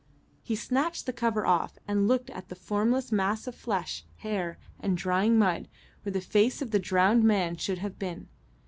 He snatched the cover off and looked at the formless mass of flesh, hair, and drying mud, where the face of the drowned man should have been.